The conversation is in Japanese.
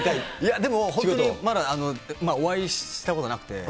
でも本当に、まだお会いしたことなくて。